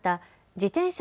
自転車